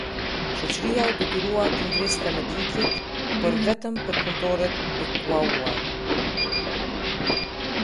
Shoqëria u detyrua t'i ngriste mëditjet, por vetëm për punëtorët e kuauar.